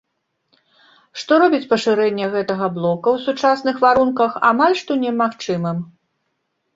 Што робіць пашырэнне гэтага блока ў сучасных варунках амаль што немагчымым.